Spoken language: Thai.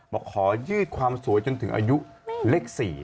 มาของยืดความสวยจนถึงอายุเลขสี่